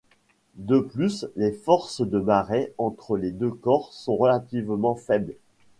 De plus, les forces de marée entre les deux corps sont relativement faibles.